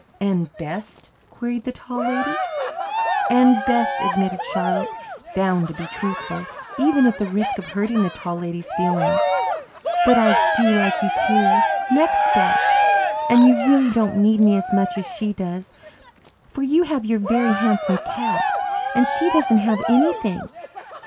"And best?" queried the Tall Lady. "And best," admitted Charlotte, bound to be truthful, even at the risk of hurting the Tall Lady's feelings. "But I do like you, too next best. And you really don't need me as much as she does, for you have your Very Handsome Cat and she hasn't anything."